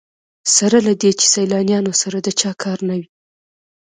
سره له دې چې سیلانیانو سره د چا کار نه وي.